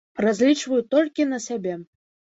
Разлічваю толькі на сябе.